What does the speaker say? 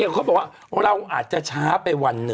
เขาบอกว่าเราอาจจะช้าไปวันหนึ่ง